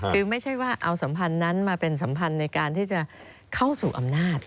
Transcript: คือไม่ใช่ว่าเอาสัมพันธ์นั้นมาเป็นสัมพันธ์ในการที่จะเข้าสู่อำนาจ